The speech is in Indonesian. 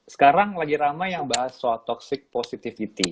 sekarang lagi ramai yang bahas soal toxic positivity